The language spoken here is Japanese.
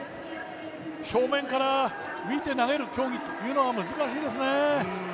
正面から見て投げる競技というのは難しいですね。